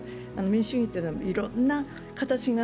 民主主義というのはいろんな形が